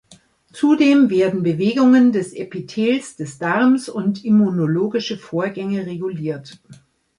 Zudem werden Bewegungen des Epithels des Darms und immunologische Vorgänge reguliert.